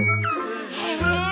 へえ！